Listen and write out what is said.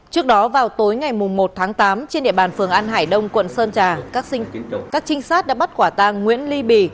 trước đó vào tối ngày một tháng tám trên địa bàn phường an hải đông quận sơn trà các trinh sát đã bắt quả tang nguyễn ly bì